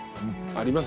あります